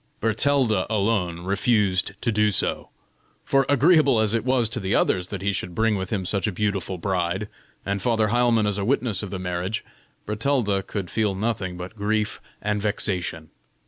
Bertalda alone refused to do so; for agreeable as it was to the others that he should bring with him such a beautiful bride, and Father Heilmann as a witness of the marriage, Bertalda could feel nothing but grief and vexation.